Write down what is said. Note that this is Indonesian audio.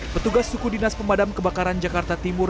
petugas suku dinas pemadam kebakaran jakarta timur